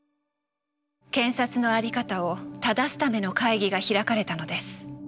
検察の在り方を正すための会議が開かれたのです。